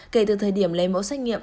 kể từ thời điểm lấy mẫu sách nghiệm